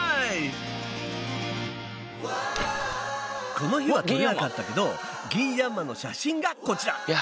この日は撮れなかったけどギンヤンマの写真がこちら。